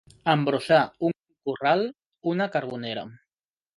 Embrossar un corral, una carbonera.